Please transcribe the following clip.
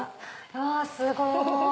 うわすごい！